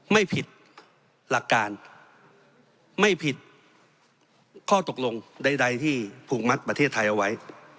ไม่ผิดหลักการไม่ผิดข้อตกลงใดที่ผูกมัดประเทศไทยเอาไว้